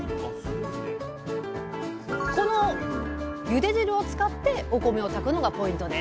このゆで汁を使ってお米を炊くのがポイントです